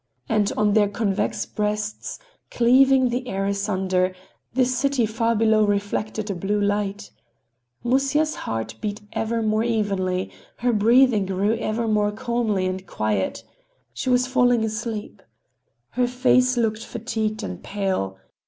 And on their convex breasts, cleaving the air asunder, the city far below reflected a blue light. Musya's heart beat ever more evenly, her breathing grew ever more calm and quiet. She was falling asleep. Her face looked fatigued and pale.